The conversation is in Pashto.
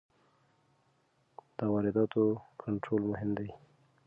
د وارداتو کنټرول مهم دی.